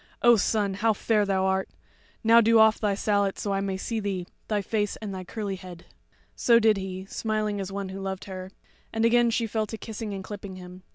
O son, how fair thou art! Now do off thy sallet that I may see thee, thy face and thy curly head." So did he, smiling as one who loved her, and again she fell to kissing and clipping him.